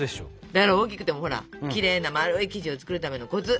だから大きくてもほらきれいな丸い生地を作るためのコツ！